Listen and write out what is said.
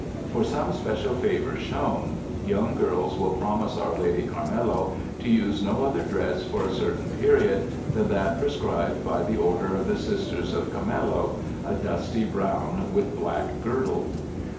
For some special favor shown young girls will promise Our Lady Carmelo to use no other dress for a certain period than that prescribed by the Order of the Sisters of Carmelo, a dusty brown with black girdle.